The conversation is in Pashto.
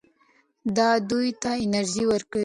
دا دوی ته انرژي ورکوي.